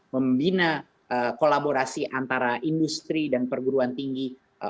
membina kolaborasi antara industri dan perguruan tinggi